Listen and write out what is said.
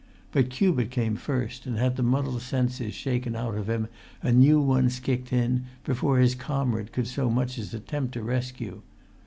But Cubitt came first, and had the muddled senses shaken out of him and new ones kicked in before his comrade could so much as attempt a rescue.